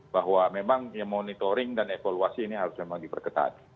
bahwa memang monitoring dan evaluasi ini harus memang diperketat